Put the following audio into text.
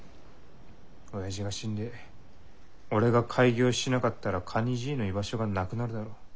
親父が死んで俺が開業しなかったらカニ爺の居場所がなくなるだろ。